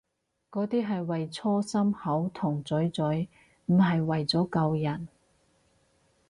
嗰啲係為搓心口同嘴嘴，唔係為咗救人